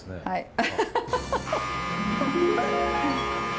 はい。